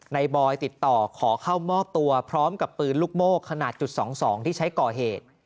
บอยติดต่อขอเข้ามอบตัวพร้อมกับปืนลูกโม่ขนาดจุด๒๒ที่ใช้ก่อเหตุ